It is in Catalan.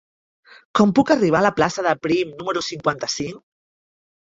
Com puc arribar a la plaça de Prim número cinquanta-cinc?